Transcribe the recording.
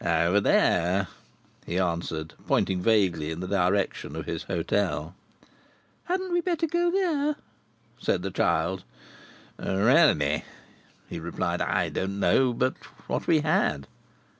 "Over there," he answered, pointing vaguely in the direction of his hotel. "Hadn't we better go there?" said the child. "Really," he replied, "I don't know but what we had."